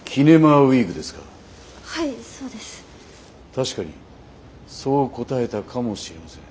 確かにそう答えたかもしれません。